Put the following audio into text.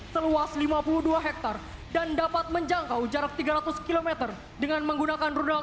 seluas lima puluh dua hektare dan dapat menjangkau jarak tiga ratus km dengan menggunakan rudal